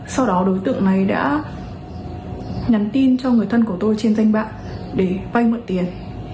sau đó đối tượng này đã nhắn tin cho người thân của tôi trên danh bạn để vay mượn tiền